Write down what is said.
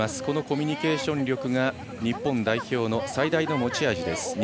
このコミュニケーション力が日本代表の最大の持ち味です。